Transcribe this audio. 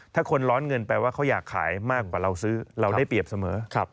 ถ้าคนร้อนเงินแปลว่าเขาอยากขายมากกว่าเราซื้อเราได้เปรียบเสมอ